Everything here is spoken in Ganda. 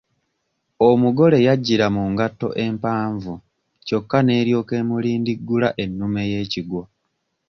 Omugole yajjira mu ngatto empavu kyokka n'eryoka emulindiggula ennume y'ekigwo.